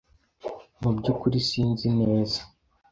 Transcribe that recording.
Mu byukuri sinzi neza.